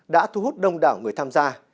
đã thu hút đông đảo người tham gia